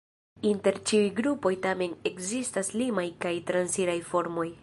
Inter ĉiuj grupoj tamen ekzistas limaj kaj transiraj formoj.